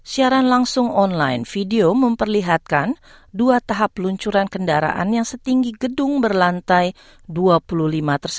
siaran langsung online video memperlihatkan dua tahap peluncuran kendaraan yang setinggi gedung berlantai dua puluh lima tersebut